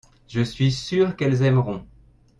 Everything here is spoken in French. je suis sûr qu'elles aimeront.